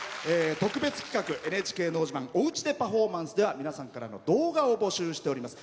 特別企画「ＮＨＫのど自慢おうちでパフォーマンス」では皆さんからの動画を募集しております。